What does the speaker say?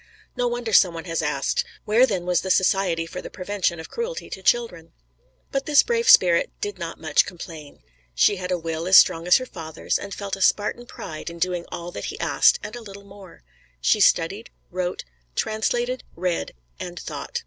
No wonder some one has asked, "Where then was the Society for the Prevention of Cruelty to Children?" But this brave spirit did not much complain. She had a will as strong as her father's, and felt a Spartan pride in doing all that he asked and a little more. She studied, wrote, translated, read and thought.